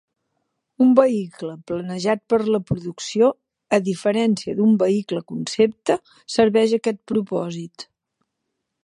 Un vehicle "planejat per la producció", a diferència d'un vehicle concepte, serveix aquest propòsit.